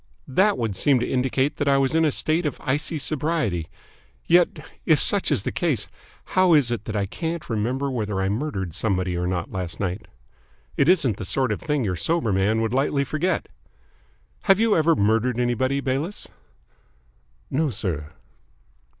"That would seem to indicate that I was in a state of icy sobriety. Yet, if such is the case, how is it that I can't remember whether I murdered somebody or not last night? It isn't the sort of thing your sober man would lightly forget. Have you ever murdered anybody, Bayliss?" "No, sir."